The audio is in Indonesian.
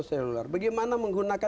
kita bisa menguntungkan